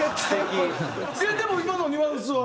でも今のニュアンスは。